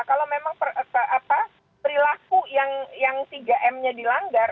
kalau memang perilaku yang tiga m nya dilanggar